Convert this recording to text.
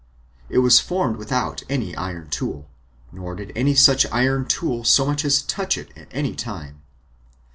It was formed without any iron tool, nor did any such iron tool so much as touch it at any time.